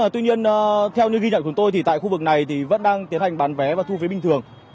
tuy nhiên theo như ghi nhận của tôi thì tại khu vực này thì vẫn đang tiến hành bán vé và thu phí bình thường